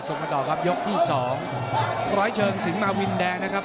มาต่อครับยกที่สองร้อยเชิงสิงหมาวินแดงนะครับ